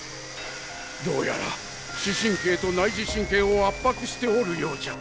どうやら視神経と内耳神経を圧迫しておるようじゃ。